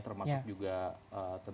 termasuk juga tentang